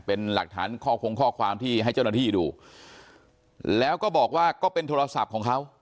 เป็นหลักฐานข้อคงข้อความที่ให้เจ้าหน้าที่ดูแล้วก็บอกว่าก็เป็นโทรศัพท์ของเขา